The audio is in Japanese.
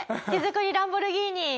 手作りランボルギーニ。